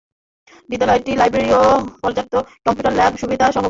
বিদ্যালয়টি লাইব্রেরী, পর্যাপ্ত কম্পিউটার ও ল্যাব সুবিধা সরবরাহ করে।